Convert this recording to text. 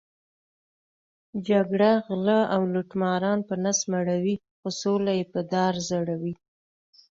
جګړه غله او لوټماران په نس مړوي، خو سوله یې په دار ځړوي.